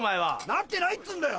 なってないっつうんだよ！